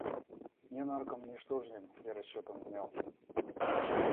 Не наркомвнешторжьим я расчетам внял.